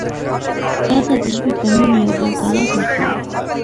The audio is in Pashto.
راځه د ژبې په نوم یو بل ته لاس ورکړو.